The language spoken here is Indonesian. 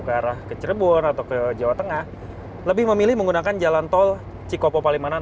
ke arah ke cirebon atau ke jawa tengah lebih memilih menggunakan jalan tol cikopo palimanan